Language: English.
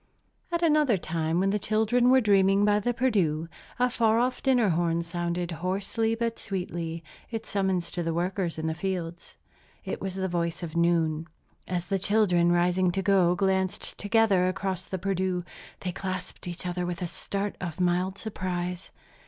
At another time, when the children were dreaming by the Perdu, a far off dinner horn sounded, hoarsely but sweetly, its summons to the workers in the fields. It was the voice of noon. As the children, rising to go, glanced together across the Perdu, they clasped each other with a start of mild surprise.